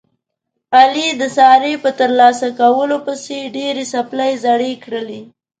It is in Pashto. علي د سارې په ترلاسه کولو پسې ډېرې څپلۍ زړې کړلې.